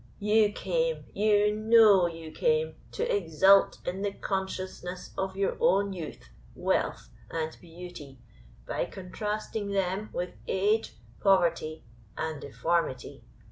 You came you know you came, to exult in the consciousness of your own youth, wealth, and beauty, by contrasting them with age, poverty, and deformity.